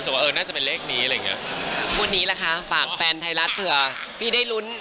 วันนี้ละคะฝากแฟนไทยรัฐเผื่อพี่ได้รุ้น